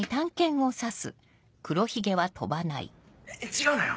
違うのよ